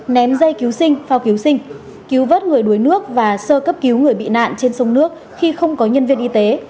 ném dây cứu sinh phao cứu sinh cứu vớt người đuối nước và sơ cấp cứu người bị nạn trên sông nước khi không có nhân viên y tế